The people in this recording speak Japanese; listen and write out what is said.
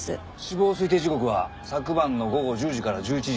死亡推定時刻は昨晩の午後１０時から１１時の間。